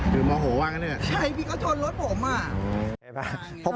คือมอโหว่างกันเลยเหรอครับใช่พี่เขาจนรถผม